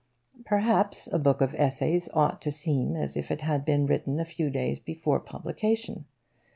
Perhaps a book of essays ought to seem as if it had been written a few days before publication.